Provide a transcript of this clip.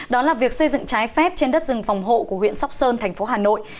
đó là việc xây dựng trái phép trên đất rừng phòng hộ của huyện sóc sơn thành phố hà nội